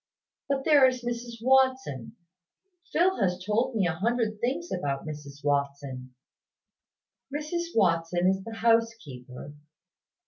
"But there is Mrs Watson. Phil has told me a hundred things about Mrs Watson." "Mrs Watson is the housekeeper.